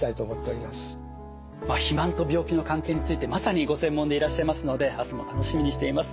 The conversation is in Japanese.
肥満と病気の関係についてまさにご専門でいらっしゃいますので明日も楽しみにしています。